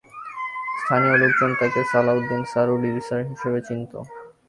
স্থানীয় লোকজন তাঁকে সালাউদ্দিন স্যার ও ডিবি স্যার হিসেবে চিনত।